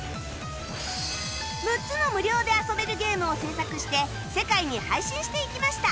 ６つの無料で遊べるゲームを制作して世界に配信していきました！